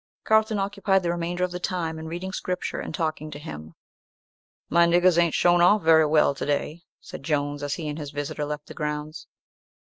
Carlton occupied the remainder of the time in reading Scripture and talking to them. "My niggers ain't shown off very well to day," said Jones, as he and his visitor left the grounds.